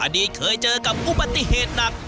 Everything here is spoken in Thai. อดีตเคยเจอกับอุบัติเหตุหนัก